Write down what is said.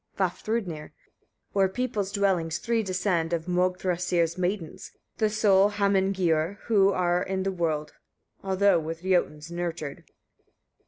Vafthrûdnir. 49. O'er people's dwellings three descend of Mögthrasir's maidens, the sole Hamingiur who are in the world, although with Jötuns nurtured.